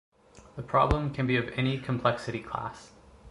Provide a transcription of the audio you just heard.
The problem can be of any complexity class.